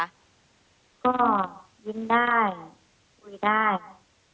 ก็ยิ้มได้คุยได้ก็ไม่ค่อยเหมือน้อยเท่าไหร่แล้วค่ะ